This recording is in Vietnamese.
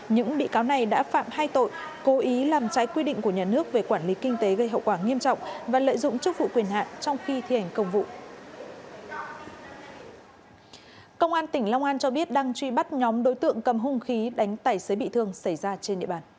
những bị cáo này đã phạm hai tội cố ý làm trái quy định của nhà nước về quản lý kinh tế